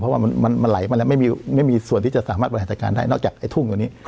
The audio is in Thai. เพราะว่ามันไหลมาแล้วไม่มีส่วนที่จะสามารถบริหารจัดการได้นอกจากไอ้ทุ่งตัวนี้